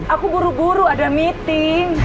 aku buru buru ada meeting